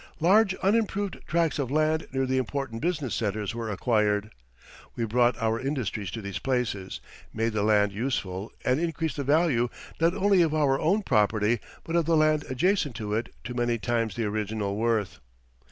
Large unimproved tracts of land near the important business centres were acquired. We brought our industries to these places, made the land useful, and increased the value, not only of our own property, but of the land adjacent to it to many times the original worth.